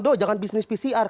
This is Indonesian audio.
do jangan bisnis pcr